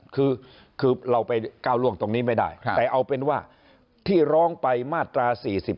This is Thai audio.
คือเราไปก้าวล่วงตรงนี้ไม่ได้แต่เอาเป็นว่าที่ร้องไปมาตรา๔๔